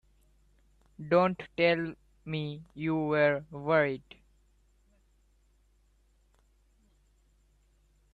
Don't tell me you were worried!